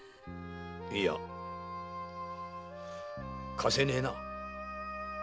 いや貸せねえな。